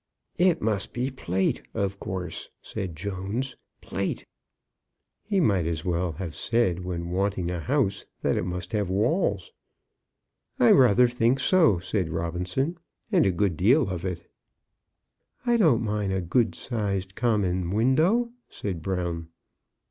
"It must be plate, of course," said Jones. Plate! He might as well have said when wanting a house, that it must have walls. "I rather think so," said Robinson; "and a good deal of it." "I don't mind a good sized common window," said Brown.